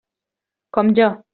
Com jo.